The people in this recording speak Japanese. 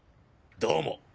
どうも！